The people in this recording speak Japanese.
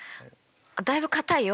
だいぶかたいよ。